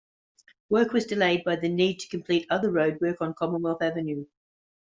Work was delayed by the need to complete other roadwork on Commonwealth Avenue.